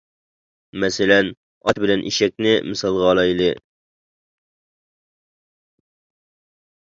مەسىلەن ئات بىلەن ئېشەكنى مىسالغا ئالايلى.